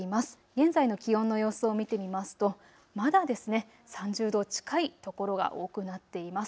現在の気温の様子を見てみますとまだ３０度近い所が多くなっています。